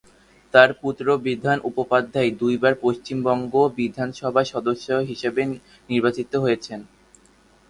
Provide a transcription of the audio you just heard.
তার পুত্র বিধান উপাধ্যায় দুইবার পশ্চিমবঙ্গ বিধানসভার সদস্য হিসেবে নির্বাচিত হয়েছেন।